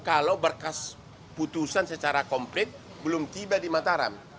kalau berkas putusan secara komplit belum tiba di mataram